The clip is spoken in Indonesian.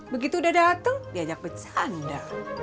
begitu udah datang diajak bercanda